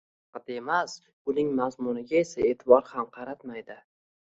shior haqida emas, uning mazmuniga esa e’tibor ham qaratmaydi.